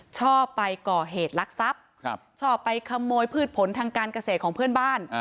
ชอบไปก่อเหตุลักษัพชอบไปขโมยพืชผลทางการเกษตรของเพื่อนบ้าน